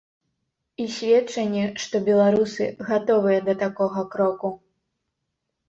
І сведчанне, што беларусы гатовыя да такога кроку.